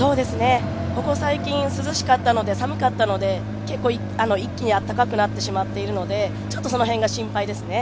ここ最近寒かったので、結構一気にあったかくなってしまっているのでちょっとその辺が心配ですね。